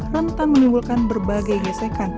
rentang menimbulkan berbagai gesekan